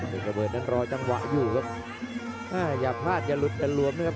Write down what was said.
ระเบิดนั้นรอจังหวะอยู่ครับอ่าอย่าพลาดอย่าหลุดอย่าหลวมนะครับ